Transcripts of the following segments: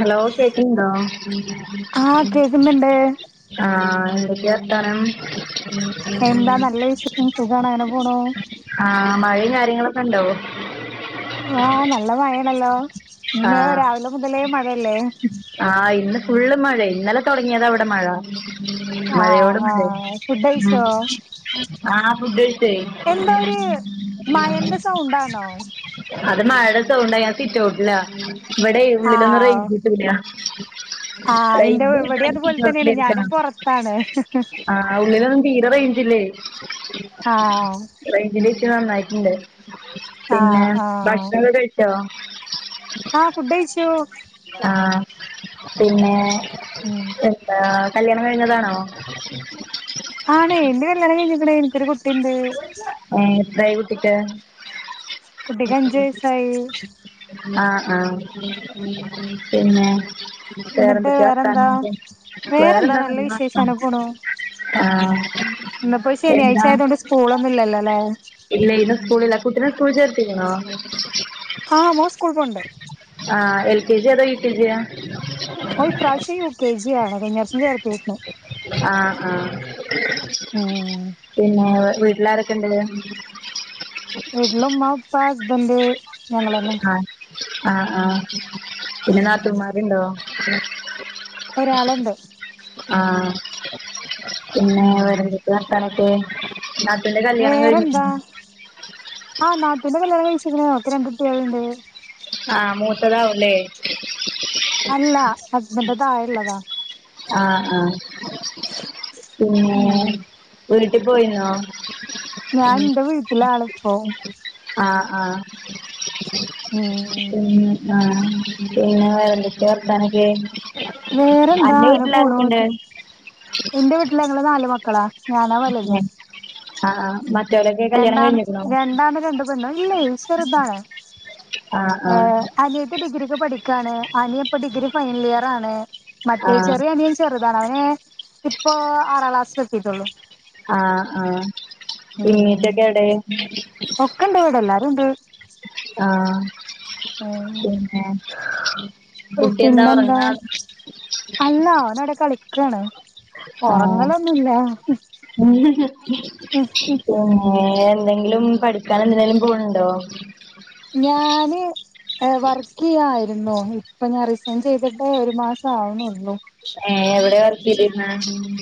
Hello കേക്ക്ന്ന്ണ്ടോ ആഹ് കേക്കുന്ന്ണ്ട് ആഹ് എന്തൊക്കെയ വർത്താനം എന്താ നല്ല വിശേഷം സുഖാണ് അങ്ങനെ പോണു ആഹ് മഴയും കാര്യങ്ങളൊക്കെ ഇണ്ടോ ആഹ് നല്ല മഴയാണല്ലോ ആ ഇന്ന് രാവിലെ മുതലേ മഴയല്ലേ ആഹ് ഇന്ന് ഫുള്ള് മഴ ഇന്നലെ തൊടങ്ങിയതാ ഇവിടെ മഴ ആഹ് മഴയോട് മഴ ആഹ് ഫുഡ് കഴിച്ചോ ആ ഫുഡ് ക [inaudible] എന്താ ഒരു മഴന്റെ സൗണ്ടാണോ അത് മഴയുടെ സൗണ്ടാ ഞാൻ സിറ്റൗട്ടില ഇവിടെ ഉള്ളിലൊന്നും ആഹ് റേഞ്ച് റേഞ്ച് ഇല്ല ആഹ് ഇന്റെ റേഞ്ച് ഇവിടെ കിട്ടണെങ്കി അതുപോലെ തന്നെയാണ് ഞാനും ഇരിക്കണം പൊറത്താണ് ആ ഉള്ളിലൊന്നും തീരെ റേഞ്ചില്ലേ ആഹ് [inaudible] റേഞ്ചിന്റെ ഇഷ്യൂ നന്നായിട്ടുണ്ട് പിന്നെ ആഹ് ആഹ് ഭക്ഷണൊക്കെ കഴി കഴിച്ചോ ആഹ് ഫുഡ് കഴിച്ചു ആഹ് പിന്നെ ഉം എന്താ കല്യാണം കഴിഞ്ഞതാണോ [inaudible] ആണ് എന്റെ കല്യാണം കഴിഞ്ഞിക്ക്ണ് എനിക്കൊരു കുട്ടിണ്ട് ഏഹ് എത്രായി കുട്ടിക്ക് കുട്ടിക്ക് അഞ്ചു വയസ്സായി ആഹ് ആഹ് പിന്നെ എന്നിട്ട് വേറെന്തൊക്കെയ വർത്താനം വേറെന്താ വേറെന്താ നല്ല വിശേഷം വർത്താനം അങ്ങനെ പോണു ആഹ് ഇന്നിപ്പോ ശനിയാഴ്ച എന്താ ആയതുകൊണ്ട് സ്കൂളൊന്നും ഇല്ലല്ലോ ല്ലേ ഇല്ല ഇന്ന് സ്കൂൾ ഇല്ല കുട്ട്നെ സ്കൂൾ ച്ചേർത്തീക്ക്‌ണോ ആഹ് മോ സ്കൂൾ പോണ്ട് ആഹ് എൽ കെ ജി അതാ യു കെ ജിയാ [inaudible] ഓ ഇ പ്രാവശ്യ യു കെ ജി ആണ് കഴിഞ്ഞ വർഷം ചേർത്തീക്ക്‌ണ് ആഹ് ആഹ് ഉം പിന്നെ വീട്ടിലാരൊക്കെ ഇണ്ട് വീട്ടില് ഉമ്മ ഉപ്പ ഹസ്ബൻഡ് ഞങ്ങളന്നെ ആഹ് ആഹ് ആഹ് പിന്നെ ഉം നാതൂന്മാർരുണ്ടോ ഒരാളുണ്ട് ആഹ് പിന്നെ ഉം വേറെന്തെക്കെ വർത്താനൊക്കെ നാത്തൂന്റെ കല്യാണം വേറെന്താ കഴിഞ്ഞിക്ക്‌ണോ ആഹ് നാത്തൂന്റെ കല്യാണം കഴിച്ച്ക്ക്‌ണ് ഓക്ക് രണ്ടുട്ടിയാള്ണ്ട് ആഹ് മൂത്തതാവും ല്ലേ അല്ല ഹസ്ബന്റെ താഴെള്ളതാ ആഹ് ആഹ് പിന്നെ ഉം വീട്ട് പോയിന്നോ ഞാൻ ൻന്റെ വീട്ട്ലാണ് ഇപ്പോ ആഹ് ആഹ് ഉം പിന്നെ ആഹ് പിന്നെ വേറെന്തെക്കെ വർത്താനൊക്കെ വേറെന്താ അന്റെ വീട്ടിലാരൊക്കെണ്ട് ഇന്റെ വീട്ടില് ഞങ്ങള് നാല് മക്കളാ ഞാനാ വല്ത് ആഹ് ആഹ് മറ്റോലൊക്കെ കല്യാണം രണ്ടാണ്, കഴിഞ്ഞിക്കണോ രണ്ടാണും രണ്ടു പെപെണ്ണും ഇല്ലേയ് ചെറുതാണ് ആഹ് ആഹ് ത്തി ഡിഗ്രി ക്ക്‌ പഠിക്കാണ്. അനിയപ്പം ഡിഗ്രി ഫൈനൽ ഇയറാണ് മറ്റെ ആഹ് ചെറിയ അനിയൻ ചെ ചെറ്താണ് അവന് ഇപ്പൊ ആറാം ക്ലാസിലെത്തീട്ടൊള്ളൂ ആഹ് ആഹ് [unintelligible] റ്റൊക്കെ ഏടെ ഒക്കെ ഇണ്ട് ഇവിടെ എല്ലാരും ഉണ്ട് ആഹ് ഉം പിന്നെ കുട്ടി ന്താ പിന്നെന്താ ഒറങ്ങാ അല്ല ഓനവ്ടെ കളിക്കാണ് ഒറങ്ങലൊന്നും ല്ല [unintelligible] നെ ഏഹ് എന്തെങ്കിലും പഠിക്കാൻ എന്തിനെലും പോണ് ണ്ടോ ഞാന് ഏഹ് വർക്കെയ്യായിരുന്നു ഇപ്പൊ ഞാൻ റിസൈൻ ചെയ്തിട്ട് ഒരു മാസാവ്ണൊള്ളൂ ഏഹ് എവിടെ വർക്കെയ്തീന്ന്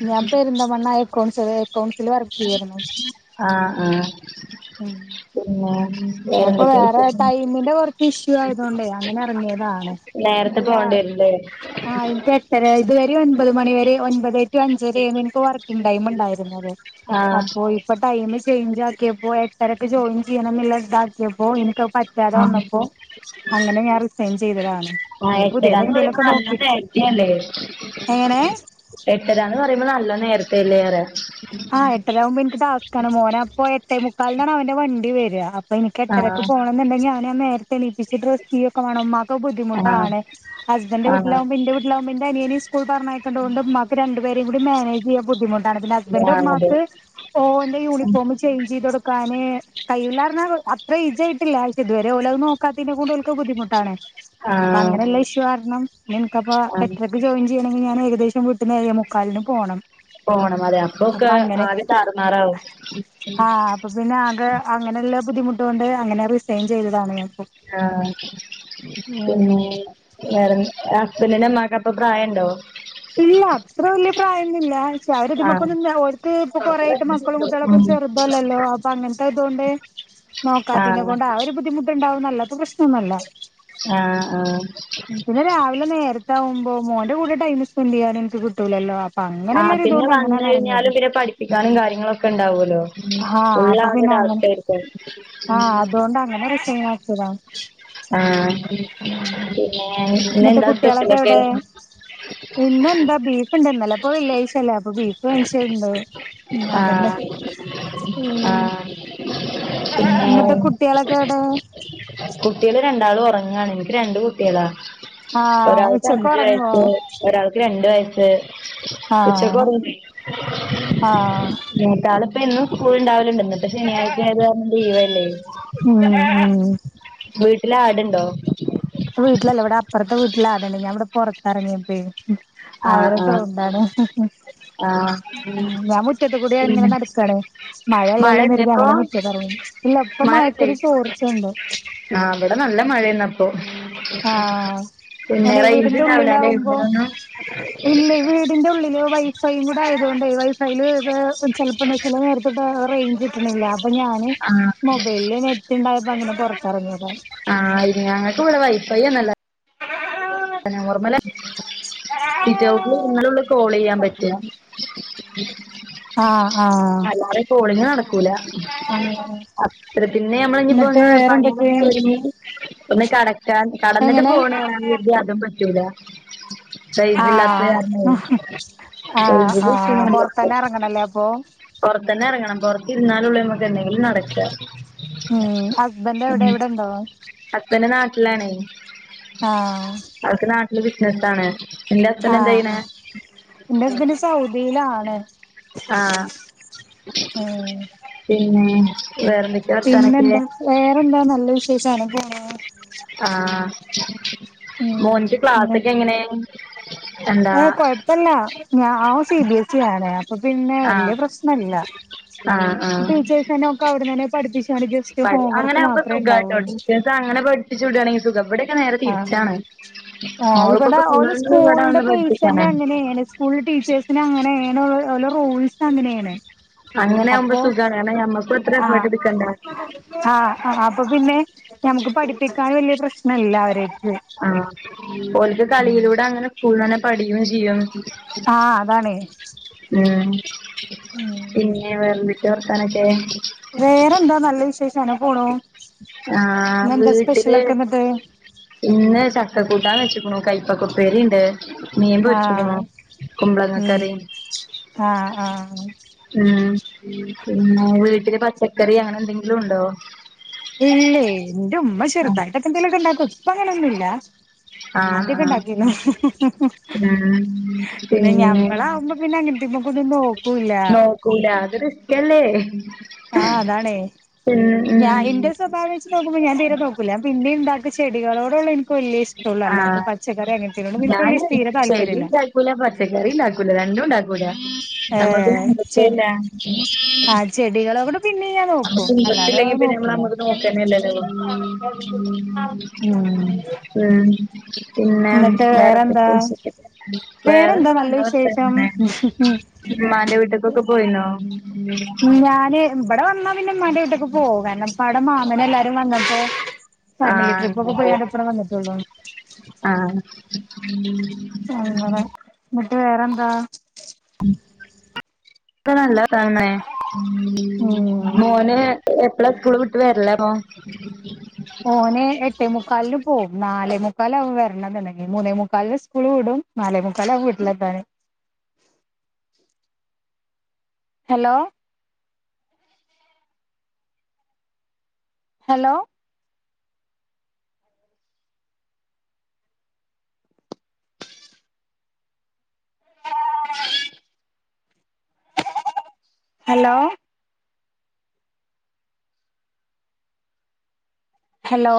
ഞാൻ പെര്ന്ത മണ്ണ എക്കൗൺസില് എക്കൗൺസില് വർക്കെയ്യാര്ന്നു ആഹ് ആഹ് പിന്നെ ഞാ പ്പൊ വേറെന്തൊക്കെയാ വേറെ വിശേഷം ടൈമിന്റെ കുറച്ച് ഇഷ്യൂ ആയതൊണ്ടേ അങ്ങനെ എറങ്ങിതാണ് നേരത്തെ പോൺണ്ടെരും ല്ലേ ആഹ് ഇന്ക് എട്ടര ഇതുവരെ ഒൻപത് മണിവരെ ഒൻപതെ ടു അഞ്ചരെയ്ന്നു ഇൻക്ക് വർക്കിങ്‌ ടൈം ഇണ്ടായിരുന്നത് ആഹ് അപ്പോ ഇ ഇപ്പ ടൈമ് ചേഞ്ച് ആക്കിയപ്പോ എട്ടരക്ക് ജോയിൻ ചെയ്യണം ന്ന്ള്ളതാക്കിയപ്പോ ഇൻക്ക്‌ പറ്റാതെ ആഹ് വന്നപ്പോ അങ്ങനെ ഞാൻ റിസൈൻ ചെയ്തതാണ് ആ ഇനി എട്ടരാന്ന് പറയുമ്പോ പുതിയതെന്തേലൊക്കെ നല്ല നോക്കി എങ്ങനെ എട്ടരന്ന് പറയുമ്പോ നല്ല നേരത്തല്ലേറെ ആഹ് എട്ടരാവുമ്പോ ഇൻക്ക് ടാസ്ക്കാണ് മോനെ അപ്പൊ എട്ടേ മുക്കാലിനാണ് അവന്റെ വണ്ടി വെര അപ് പ്പ നിക്ക് എട്ടരക്ക് ആഹ് പോണം ന്നുണ്ടെങ്കി അവനെ ഞാൻ നേരത്തെ എണീപ്പിച്ച് ഡ്രെസ്സെയ്യൊക്കെ വാണം മ്മാ ക്ക്‌ ആഹ് ബുദ്ധിമുട്ടാണ് ഹസ്ബൻന്റെ ആഹ് വീട്ടിലാവുംമ്പോ ഇന്റെ വീട്ടിലാവുംമ്പോ ന്റെ അനിയനിം സ്കൂൾ പറഞ്ഞയക്കണ്ടോണ്ട് ഇമ്മാക് രണ്ട് ണ്ട് പേരേം കൂടി മാനെജെയ്യാൻ ബുദ്ധി മുട്ടാണ് പിന്നെ ഹസ്ബൻഡെ ആഹ് അതെ ഉമ്മാക് ഓന്റെ യൂണിഫോമ് ചെയ്ഞ്ചേയ് തൊട്ക്കാന് കൈയൂള്ളാന്നാർ അത്രേ ഏജായിട്ടില്ല ഇതുവരെ ഓലത് നോക്കാത്തേൻ്റെ കൊണ്ട് ഓൽക്ക് ബുദ്ധിമുട്ടാണ് അപ്പൊ ആഹ് അങ്ങനുള്ള ഇഷ്യു കാരണം നിനക്കപ്പ ആഹ് എട്ടരയ്ക്ക് ജോയി [unintelligible] ണെങ്കി ഞാൻ ഏകദേശം വീട്ടീന്ന് ഏഴേ മുക്കാലിന് പോണം. പോണം അതെ അപ്പൊക്കെ അപ്പൊ അങ്ങനെ ആകെ താറുമാറാവും ആഹ് അപ്പൊ പിന്നെ ആകെ അങ്ങനെയുള്ള ബുദ്ധിമുട്ടുകൊണ്ട് അങ്ങനെ റീസൈൻ ചെയ്തതാണ് ഞാൻ. ആഹ് ഉം പിന്നെ വേറെന്ത ഹസ്ബന്റിന്റെ ഉമ്മാക്ക് അപ്പൊ പ്രായം ഉണ്ടോ? ഇല്ല അത്ര വല്യ പ്രായംന്നില്ല ക്ഷെ ആഹ് അവര്ത്മക്കെന്നും ഓര്ക്ക് ഇപ്പൊ കൊറായായിട്ട് മക്കളും കുട്ടികളൊക്കെ ഉം ചെറുതല്ലല്ലോ അപ്പൊ അങ്ങനത്തെ ഇതുകൊണ്ട് നോക്കാത്തേന ആഹ് ആഹ് കൊണ്ട് ആ ഒരു ബുദ്ധിമു [unintelligible] ഇപ്പൊ പ്രശ്നൊന്നൂല്ല ആഹ് പിന്നെ രാവിലെ നേരത്താവുമ്പോ മോന്റെ കൂടെ ടൈം സ്പെൻഡ് കൂടെ ചെയ്യാനും എനിക്ക്കിട്ടൂലല്ലോ ആഹ് പിന്നെ വന്ന് കഴിഞ്ഞാലും ഇവരെ പഠിപ്പിക്കാനും കാര്യങ്ങളൊക്കെ ഉണ്ടാവൂലോ ആഹ് അപ്പൊ പിന്നെ അങ്ങനെ ആഹ് [unintelligible] [inaudible] അതുകൊണ്ട് അങ്ങനെ റിസൈനാക്കിയതാ ആഹ് പിന്നെ എന്നിട്ട് ഇന്നെന്താ കുട്ടികളൊക്കെ സ്പെഷ്യലൊക്കെ എവിടെ? പിന്നെ എന്താ ബീഫുണ്ട് ഇന്നലെപ്പോ വെള്ളിയാഴ്ച്ചല്ലേ അപ്പൊ ബീഫ് വാങ്ങിച്ചെണ്ട്. ഉം അതന്നെ ആഹ് ഉം ആഹ് പിന്നെ എന്നിട്ട് കുട്ടികളൊക്കെ ഏടെ? കുട്ടീള് രണ്ടാളും ഒറങ്ങാണ് എനിക്ക് രണ്ട് കുട്ടീളാ ആഹ് ഒരാൾക്ക് ഉച്ചക്ക് അഞ്ചു ഉറങ്ങുവോ വയസ്സ് ഒരാൾക്ക് രണ്ട് വയസ് ഉച്ചക്ക് ആഹ് ഉറങ്ങി ആഹ് [unintelligible] മൂത്താള് ഇപ്പം എന്നും സ്കൂൾ ഉണ്ടാവലുണ്ട് ഇന്നിപ്പൊ ശനിയാഴ്ച ആയതു കാരണം ലീവല്ലേ? [unintelligible] വീട്ടിലാടുണ്ടോ? വീട്ടിലല്ല ഇവിടെ അപ്പുറത്തെ വീട്ടിലാടുണ്ട് ഞാൻ ഇവിടെ പുറത്തിറങ്ങിട്ട് ആഹ് അവരെ സൗണ്ടാണ് ആഹ് ആഹ് ഉം ഞാൻ മുറ്റത്ത് കൂടി ഇങ്ങനെ നടക്കാണ് മഴയല്ല മഴ ഇല്ലെന്ന് ഇണ്ടേ കരുതി ഇപ്പൊ അങ്ങനെ മുറ്റത്തെറങ്ങി ഇല്ല ഇപ്പ മയക്കൊരു ചോർച്ചയുണ്ട്. ആഹ് ഇവിടെ നല്ല മഴെണ് ആഹ് പിന്നെ അങ്ങനെ വീടിന്റെ റേഞ്ച്ഉണ്ടാവൂലല്ലേ ഉള്ളിലാവുമ്പോ [unintelligible] ഇല്ല വീടിന്റെ ഉള്ളില് വൈ ഫ്ളൈവുടായതുകൊണ്ടേ വൈ ഫൈയിൽ ഇത് ചെലപ്പോ [unintelligible] നേരത്ത് റേഞ്ച് അപ്പൊ ഞാന് ആ മൊബൈലിൽ നെറ്റ്ണ്ടായപ്പോ അങ്ങനെ പുറത്തിറങ്ങിയതാ. ആഹ് ഞങ്ങക്ക് ഇവിടെ വൈഫൈന്നല്ല [inaudible] നോർമ്മല സിറ്റൗട്ടില് നിന്നാലേള്ള് കോൾ ചെയ്യാൻ പറ്റ ആഹ് ആഹ് കോളിങ്ങ് നടക്കൂല അങ്ങനെ അപ്പ പിന്നെ ഞമ്മള് ഇപ്പോ എന്നിട്ട് ഒന്ന് പണി വേറെന്തൊക്കെ [unintelligible] ഒന്ന് കെടക്കാൻ കെടന്നിട്ട് എങ്ങനെ ഫോണ് [unintelligible] അതും പറ്റൂല റെയ്ഞ്ച് ഇല്ലാത്ത ആഹ് കാരണെ ആഹ് ആഹ് പൊറ്ത്തന്നെ ഇറങ്ങണല്ലേ അപ്പൊ പുറത്തന്നെ ഇറങ്ങണം പൊറത്ത് ഇരുന്നാലേ ഉള്ളു നമ്മുക്ക് എന്തെങ്കിലും നടക്കാ ഉം ഹസ്ബന്റ് എവിടെ ഇവിടെ ഉണ്ടോ? ഹസ്ബന്റ് നാട്ടിലാണ് ആഹ് അവർക്ക് നാട്ടില് ബിസിനസ് ആണ്. ആഹ് ആഹ് എന്റെ ഹസ്ബന്റ് സൗദിയിലാണ്. ആഹ് ആഹ പിന്നെ വേറെ ന്ത പിന്നെന്താ വേറെന്താ നല്ല വിശേഷമാണ് ആഹ് മോന്റെ ക്ലാസ് ഉം ഒക്കെ എങ്ങനെ എന്താ ഏഹ് കൊഴപ്പില്ല ഞാൻ ആവൻ സി ബി എസ് ഇ ആണ് അപ്പൊ പിന്നെ ആഹ് വലിയ പ്രശ്നല്ല ആഹ് ആഹ് ടീച്ചേഴ്സ് തന്നെ ഒക്കെ അവിടെന്നെ പഠിപ്പിച്ച ജസ്റ്റ് പഠി ഹോം അങ്ങനെ വർക്ക് ആവുമ്പോ മാത്രമേ സുഖാട്ടോ ഉണ്ടാവുള്ളൂ അങ്ങനെ പഠിച്ചു വിടുവാണെകിൽ സുഖ എവിടൊക്കെ നേരെ ആഹ് തിരിച്ചാണ് ആഹ് ഇവിടെ മോൾക്കൊക്കെ ഓള് ഫുള്ള് ഇവിടെ സ്കൂളിന്റെ വന്ന് ബേസ് തന്നെ പഠിപ്പിക്കാനാ അങ്ങനെയാണ് സ്കൂളിൽ ടീച്ചേഴ്സിന് അങ്ങനെയാണ് റോൾസ് അങ്ങനെയാണ് അങ്ങനെ ആകുമ്പോ അപ്പൊ സുഖാണ് ഞമ്മക്കും അത്ര എഫേർട്ട് ആഹ് എടുക്കണ്ട ആഹ് ആഹ് അപ്പൊ പിന്നെ ഞമുക്ക് പഠിപ്പിക്കാൻ വലിയ പ്രശ്നല്ല അവരെ ആഹ് ഓൾക് കളിയിലൂടെ അങ്ങനെ സ്കൂൾ തന്നെ പഠിക്കും ചെയ്യും ആഹ് അതാണേ ഉം ഉം പിന്നെ വേറെ എന്തൊക്കെയാ വേറെന്താ നല്ല വിശേഷന് പോണു ആഹ് ഇന്നെന്താ വീട്ടില് സ്പെഷ്യലൊക്കെ എന്നിട്ട് പിന്നെ ചക്കക്കൂട്ടാന്ന് വെച്ചീക്കാണു കൈപ്പക്കപ്പേരി ഉണ്ട് മീൻ പൊരിച്ചെക്കാണു ആഹ് കുമ്പളങ്ങ ഉം കറി ആഹ് ആഹ് ഉം പിന്നെ വീട്ടില് പച്ചക്കറി അങ്ങനെ എന്തെങ്കിലും ഉണ്ടോ ഇല്ലേ എന്റെ ഉമ്മ ആഹ് ചെറുതായിട്ട് എന്തേലൊക്കെ ഉണ്ടാക്കും ഇപ്പ അങ്ങനെ ഒന്നും ഇല്ല ആഹ് ആഹ് ആദ്യമൊക്കെ ആഹ് ഉണ്ടാക്കിനു ഉം പിന്നെ ഞമ്മള് ആവുമ്പോ പിന്നെ [unintelligible] കൂടാതെ വെക്കല്ലേ ആഹ് അതാണേ ഞാൻ എന്റെ സ്വഭാവം വെച്ചിട്ട് നോക്കുമ്പോ ഞാൻ തീരെ നോക്കൂല്ല പിന്നെ ഉണ്ടാക്ക ചെടികളോടുള്ള വലിയ ഇഷ്ടള്ള അല്ലാത്ത ആഹ് പച്ചക്കറി അങ്ങനതേയോട് എനിക്ക് വലിയ തീരെ താല്പര്യമില്ല ആക്കൂല പച്ചക്കറി ഉണ്ടാക്കൂല രണ്ടും ഉണ്ടാക്കൂല ഏഹ് നമ്മുല്ല ചെ ആഹ് ചെടികളോട് പിന്നേം ഞാൻ നമ്മക്ക് നോക്കും ഇന്റെരെസ്റ്റ് അല്ലാതെ ഇല്ലെങ്കിൽ പിന്നെ നോക്കൂല നമ്മള് നോക്കേണ്ടത് ഇല്ലാലോ [inaudible] ഉം ഉം പിന്നെ എന്നിട്ട് വേറെ വേറെന്താ എന്തൊക്കെ വിശേഷം വേറെ വേറെന്താ നല്ല എന്ത് [unintelligible] വിശേഷം ഇമ്മന്റെ വീട്ടിൽ ഒക്കെ പോയിരുന്നോ ഉം ഞാന് ഇവിടെ വന്നാ പിന്നെ ഇമ്മന്റെ വീട്ടേക്ക് പോകും കാരണം ഇപ്പ അവിടെ മാമനും എല്ലാരും വന്നപ്പോ ഫാമിലി ആഹ് ട്രിപ്പ് ഒക്കെ പോയി ഇപ്പഴേ വന്നിട്ടുള്ളൂ ആഹ് [unintelligible] അങ്ങനെ എന്നിട്ട് വേറെന്താ [inaudible] ഉം മോന് എപ്പളാ സ്കൂള് വിട്ട് വരണേ മോന് എട്ടേ മുക്കാലിൽ പോകും നാലേ മുക്കാല് അവും വരണത്ണ്ടെങ്കിൽ മൂന്നേ മുക്കാലിൽ സ്കൂൾ വിടും നാലെ മുക്കാൽ ആവും വീട്ടിൽ എത്താൻ ഹലോ ഹലോ ഹലോ ഹലോ